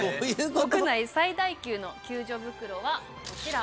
国内最大級の救助袋はこちら。